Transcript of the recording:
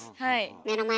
目の前に。